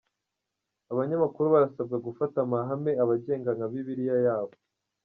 Abanyamakuru barasabwa gufata amahame abagenga nka Bibiliya yabo